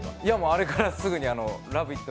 あれからすぐに「ラヴィット！」